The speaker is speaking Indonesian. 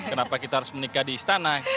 kenapa kita harus menikah di istana